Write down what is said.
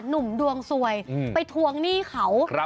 หนุ่มดวงสวยไปทวงหนี้เขา